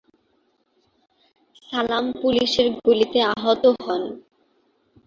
সালাম পুলিশের গুলিতে আহত হন।